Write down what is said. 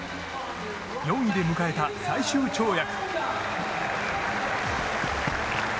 ４位で迎えた最終跳躍。